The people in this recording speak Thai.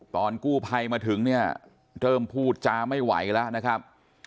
ตอนกู้ภัยมาถึงเนี่ยเริ่มพูดจาไม่ไหวแล้วนะครับ